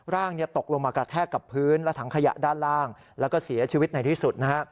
ร่างตกลงมากระแทกกับพื้นและถังขยะด้านล่างแล้วก็เสียชีวิตในที่สุด